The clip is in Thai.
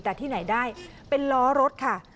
แต่ที่ไหนได้เป็นล้อรถค่ะ